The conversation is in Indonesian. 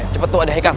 cepet tuh ada hekal